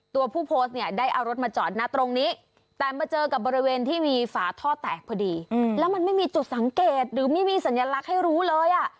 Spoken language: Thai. ตัวผู้โพสต์เนี่ยได้เอารถมาจอดนะตรงนี้แต่มาเจอกับบริเวณที่มีฝาท่อแตกพอดีแล้วมันไม่มีจุดสังเกตหรือไม่มีสัญลักษณ์ให้รู้เลยอ่ะ